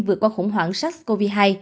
vượt qua khủng hoảng sars cov hai